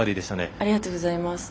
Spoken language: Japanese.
ありがとうございます。